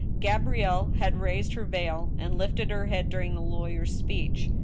GabrieUe had raised her veil and lifted her head during the law yer's speech.